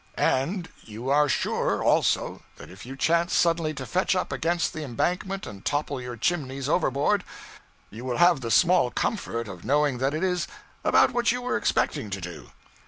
And you are sure, also, that if you chance suddenly to fetch up against the embankment and topple your chimneys overboard, you will have the small comfort of knowing that it is about what you were expecting to do.